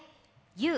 「ＹＯＵ」